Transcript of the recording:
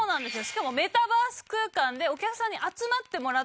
しかもメタバース空間でお客さんに集まってもらっているので。